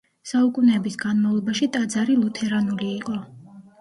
საუკუნეების განმავლობაში ტაძარი ლუთერანული იყო.